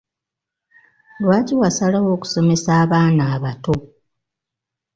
Lwaki wasalawo okusomesa abaana abato?